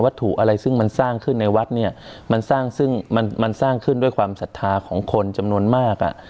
ถูกอะไรซึ่งมันสร้างขึ้นในวัดเนี่ยมันสร้างซึ่งมันมันสร้างขึ้นด้วยความศรัทธาของคนจำนวนมากอ่ะ